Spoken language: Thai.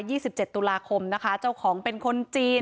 สิบเจ็ดตุลาคมนะคะเจ้าของเป็นคนจีน